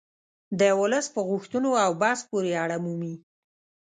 د ولس په غوښتنو او بحث پورې اړه مومي